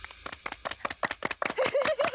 フフフフ。